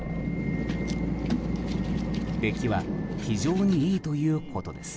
出来は非常にいいということです。